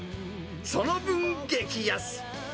その分、激安。